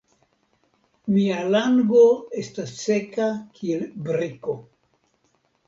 Mia lango estas seka kiel briko.